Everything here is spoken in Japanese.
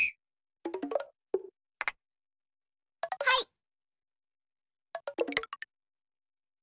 はい。